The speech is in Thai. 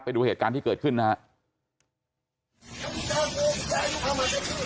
ไปดูเหตุการณ์ที่เกิดขึ้นนะครับ